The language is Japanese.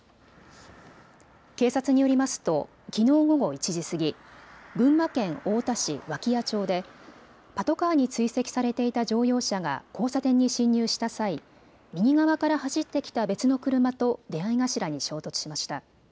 警察によりますときのう午後１時過ぎ群馬県太田市脇屋町でパトカーに追跡されていた乗用車が交差点に進入した際、右側から走ってきた別の車と出会い頭に衝突しました。